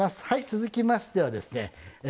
続きましてはですね